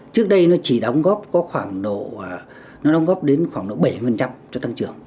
trước đây nó chỉ đóng góp đến khoảng độ bảy mươi cho tăng trưởng